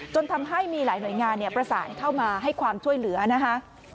จนทำให้มีหลายหน่วยงานประสานเข้ามาให้ความช่วยเหลือนะคะ